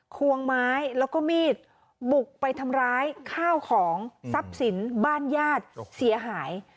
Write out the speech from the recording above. ควงไม้แล้วก็มีดบุกไปทำร้ายข้าวของทรัพย์สินบ้านญาติเสียหาย